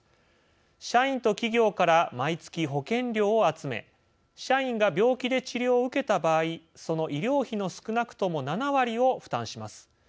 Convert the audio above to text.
社員と企業から毎月保険料を集め社員が病気で治療を受けた場合その医療費の少なくとも７割を負担します。